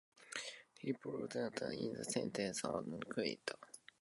He pronounced the sentence against Essex, although it was dictated by the Queen.